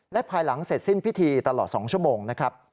และภายหลังเสร็จสิ้นพิธีตลอด๒ชั่วโมงนะครับ